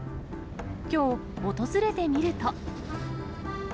きょう、訪れてみると。